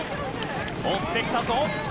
追ってきたぞ。